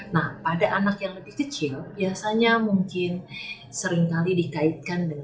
nah pada anak yang lebih kecil biasanya mungkin seringkali dikaitkan dengan